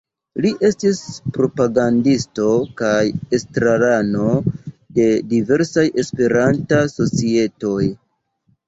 Li estis propagandisto kaj estrarano de diversaj Esperantaj societoj.